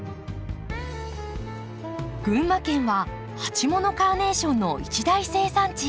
群馬県は鉢物カーネーションの一大生産地。